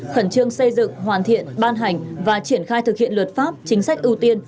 khẩn trương xây dựng hoàn thiện ban hành và triển khai thực hiện luật pháp chính sách ưu tiên